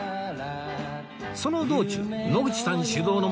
その道中野口さん指導のもと